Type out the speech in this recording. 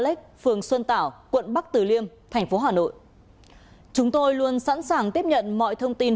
lếch phường xuân tảo quận bắc tử liêm thành phố hà nội chúng tôi luôn sẵn sàng tiếp nhận mọi thông tin